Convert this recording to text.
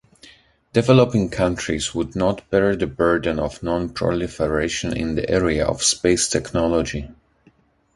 Developing countries would not bear the burden of non-proliferation in the area of space technology.